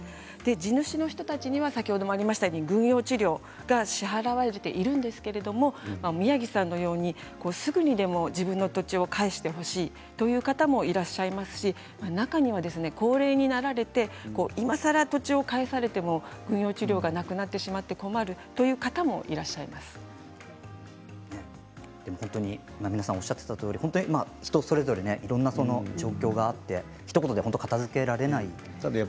地主の人たちには先ほどもありましたように軍用地料が支払われているんですけれど宮城さんのようにすぐにでも自分の土地を返してほしいという方もいらっしゃいますし中には高齢になられていまさら土地を返されても軍用地料がなくなってしまって皆さんおっしゃっていたとおり人それぞれいろんな状況があってひと言で片づけられないんです。